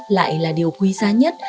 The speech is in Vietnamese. lại là điều quý giá nhất